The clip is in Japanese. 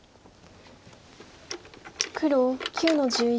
黒９の十一。